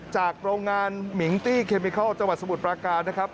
โรงงานมิงตี้เคมิเคิลจังหวัดสมุทรปราการนะครับ